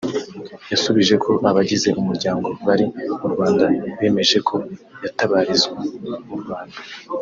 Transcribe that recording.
yasubije ko abagize umuryango bari mu Rwanda bemeje ko yatabarizwa mu Rwanda